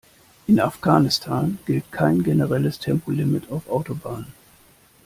In Afghanistan gilt kein generelles Tempolimit auf Autobahnen.